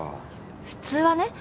普通はね。